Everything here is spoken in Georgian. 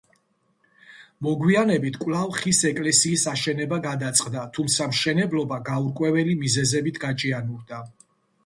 მოგვიანებით კვლავ ხის ეკლესიის აშენება გადაწყდა, თუმცა მშენებლობა გაურკვეველი მიზეზებით გაჭიანურდა.